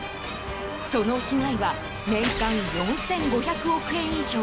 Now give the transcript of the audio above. その被害は年間４５００億円以上。